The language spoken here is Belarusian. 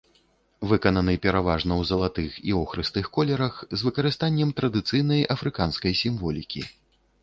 Выкананы пераважна ў залатых і охрыстых колерах з выкарыстаннем традыцыйнай афрыканскай сімволікі.